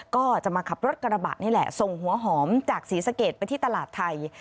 ก็จะมาขับรถกระบะนี่แหละส่งหัวหอมจากศรีสะเกดไปที่ตลาดไทย